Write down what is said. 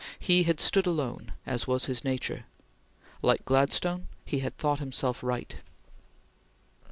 He had stood alone, as was his nature. Like Gladstone, he had thought himself right.